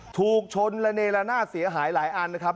ถูกชนระเนละนาดเสียหายหลายอันนะครับ